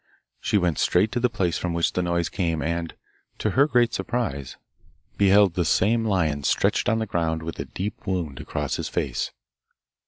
She went straight to the place from which the noise came, and, to her great surprise, beheld the same lion stretched on the ground with a deep wound across his face.